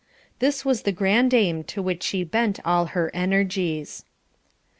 This was the grand aim to which she bent all her energies.